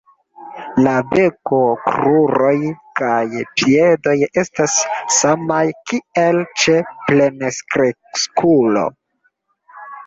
La beko, kruroj kaj piedoj estas samaj kiel ĉe plenkreskulo.